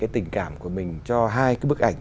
tình cảm của mình cho hai bức ảnh